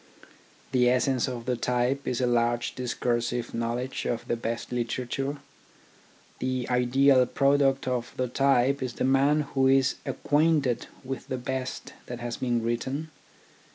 The essence of the type is a large discursive knowledge of the best literature. The ideal pro duct of the type is the man who is acquainted with the best that has been written.